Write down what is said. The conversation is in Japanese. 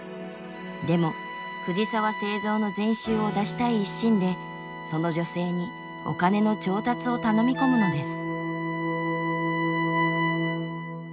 でも藤澤造の全集を出したい一心でその女性にお金の調達を頼み込むのです。